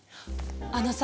あのさ